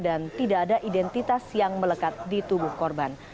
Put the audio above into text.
dan tidak ada identitas yang melekat di tubuh korban